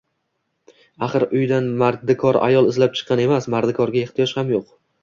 Axir, uyidan mardikor ayol izlab chiqqan emas, mardikorga ehtiyoj ham yo‘q